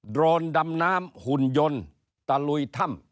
โรนดำน้ำหุ่นยนต์ตะลุยถ้ำ